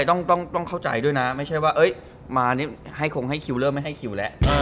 ต้องเข้าใจด้วยนะไม่ใช่ว่ามานี่ให้คงให้คิวเริ่มไม่ให้คิวแล้ว